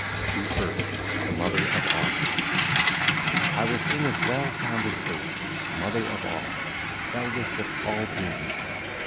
XXX. TO EARTH THE MOTHER OF ALL (ll. 1 16) I will sing of well founded Earth, mother of all, eldest of all beings.